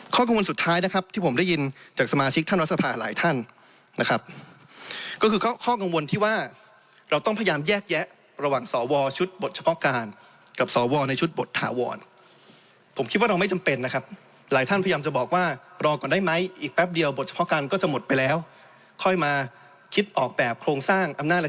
กังวลสุดท้ายนะครับที่ผมได้ยินจากสมาชิกท่านรัฐสภาหลายท่านนะครับก็คือข้อกังวลที่ว่าเราต้องพยายามแยกแยะระหว่างสวชุดบทเฉพาะการกับสวในชุดบทถาวรผมคิดว่าเราไม่จำเป็นนะครับหลายท่านพยายามจะบอกว่ารอก่อนได้ไหมอีกแป๊บเดียวบทเฉพาะการก็จะหมดไปแล้วค่อยมาคิดออกแบบโครงสร้างอำนาจอะไร